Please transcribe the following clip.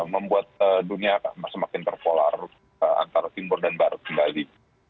membuat dunia semakin terpolar antara timur dan barat kembali